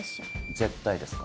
絶対ですか？